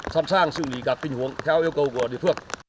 sẵn sàng xử lý các tình huống